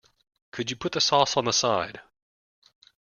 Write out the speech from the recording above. Could you put the sauce on the side?